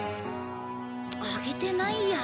あげてないや。